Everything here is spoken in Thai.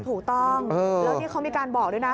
ถูกต้องแล้วนี่เขามีการบอกด้วยนะ